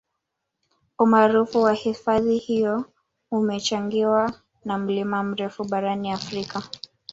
umaarufu wa hifadhi hiyo umechangiwa na mlima mrefu barani afrika